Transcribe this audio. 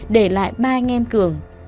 để lại ba anh em cường